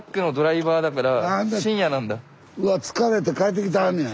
うわ疲れて帰ってきてはんねや。